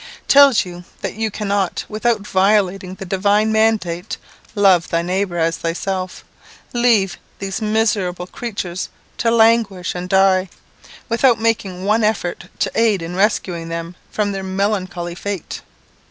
tells you that you cannot, without violating the divine mandate, "love thy neighbour as thyself," leave these miserable creatures to languish and die, without making one effort to aid in rescuing them from their melancholy fate.